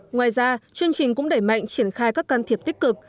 ngoài ra chương trình cũng đẩy mạnh triển khai các can thiệp tích cực